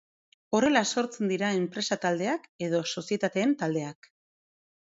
Horrela sortzen dira enpresa taldeak edo sozietateen taldeak.